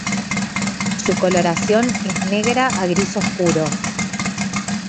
Su coloración es negra a gris oscuro.